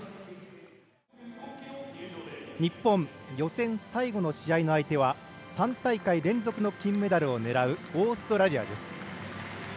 日本、予選最後の試合の相手は３大会連続の金メダルを狙うオーストラリアです。